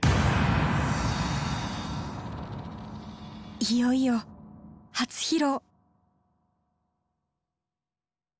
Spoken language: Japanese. いよいよ初披露！